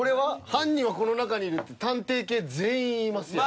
「犯人はこの中にいる」って探偵系全員言いますやん。